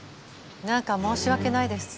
何か申し訳ないです。